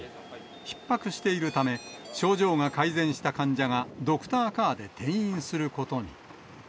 ひっ迫しているため、症状が改善した患者がドクターカーで転院することに。